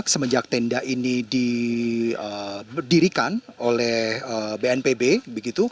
semenjak tenda ini didirikan oleh bnpb begitu